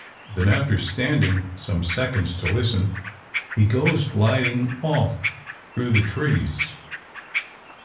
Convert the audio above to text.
Then after standing some seconds to listen, he goes gliding off through the trees.